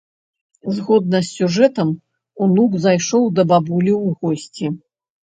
Згодна з сюжэтам, унук зайшоў да бабулі ў госці.